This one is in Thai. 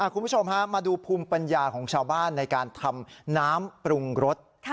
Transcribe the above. คุณผู้ชมฮะมาดูภูมิปัญญาของชาวบ้านในการทำน้ำปรุงรส